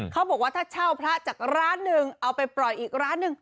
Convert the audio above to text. เขาบอกว่าถ้าเช่าพระจากร้านหนึ่งเอาไปปล่อยอีกร้านหนึ่ง